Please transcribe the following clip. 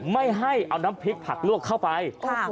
ไม่ให้เอาน้ำพริกผักลวกเข้าไป